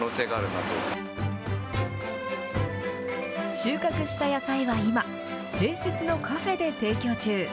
収穫した野菜は今、併設のカフェで提供中。